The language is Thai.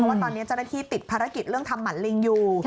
ว่าตอนนี้เจ้าหน้าที่ติดภารกิจเรื่องทำหมันลิงอยู่